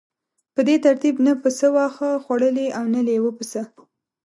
په دې ترتیب نه پسه واښه خوړلی او نه لیوه پسه.